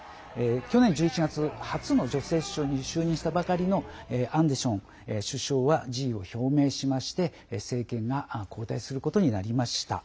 去年１１月、初の女性首相に就任したばかりのアンデション首相は辞意を表明しまして政権が交代することになりました。